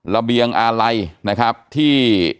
ระเบียงอาลัยนะครับที่